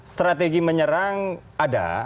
strategi menyerang ada